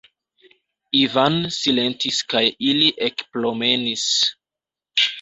Ivan silentis kaj ili ekpromenis.